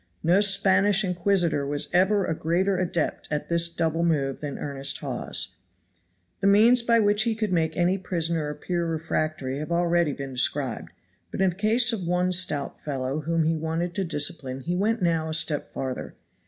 No Spanish Inquisitor was ever a greater adept at this double move than earnest Hawes. The means by which he could make any prisoner appear refractory have already been described, but in the case of one stout fellow whom he wanted to discipline he now went a step farther.